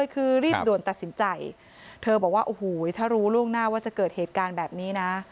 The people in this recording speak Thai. คือรีบด่วนตัดสินใจเธอบอกว่าโอ้โหถ้ารู้ล่วงหน้าว่าจะเกิดเหตุการณ์แบบนี้นะ